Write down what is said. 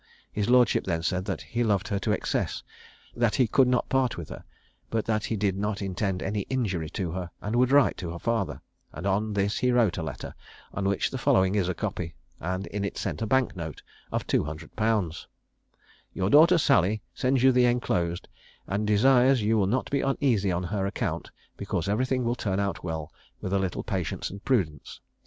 His lordship then said that he loved her to excess; that he could not part with her; but that he did not intend any injury to her, and would write to her father: and on this he wrote a letter, of which the following is a copy, and in it sent a bank note of two hundred pounds: "Your daughter Sally sends you the enclosed, and desires you will not be uneasy on her account, because everything will turn out well with a little patience and prudence.